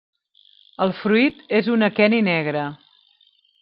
El fruit és un aqueni negre.